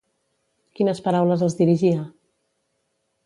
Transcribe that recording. Quines paraules els dirigia?